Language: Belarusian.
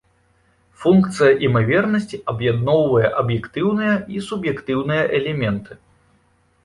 Функцыя імавернасці аб'ядноўвае аб'ектыўныя і суб'ектыўныя элементы.